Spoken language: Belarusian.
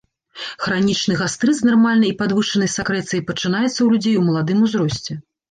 Хранічны гастрыт з нармальнай і падвышанай сакрэцыяй пачынаецца ў людзей у маладым узросце.